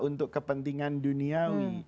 untuk kepentingan duniawi